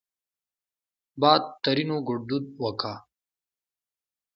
باد؛ ترينو ګړدود وګا